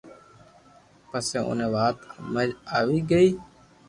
پسو اوني وات ھمج آوي گئي